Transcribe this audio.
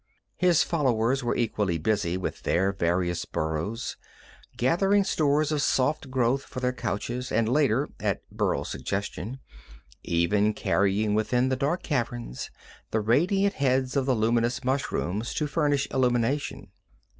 His followers were equally busy with their various burrows, gathering stores of soft growth for their couches, and later at Burl's suggestion even carrying within the dark caverns the radiant heads of the luminous mushrooms to furnish illumination.